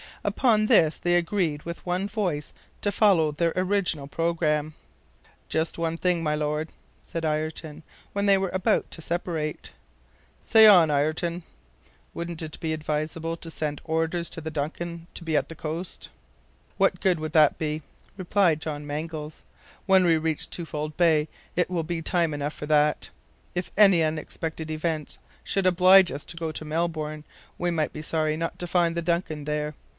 Upon this they agreed with the one voice to follow their original programme. "Just one thing, my Lord," said Ayrton, when they were about to separate. "Say on, Ayrton." "Wouldn't it be advisable to send orders to the DUNCAN to be at the coast?" "What good would that be," replied John Mangles. "When we reach Twofold Bay it will be time enough for that. If any unexpected event should oblige us to go to Melbourne, we might be sorry not to find the DUNCAN there.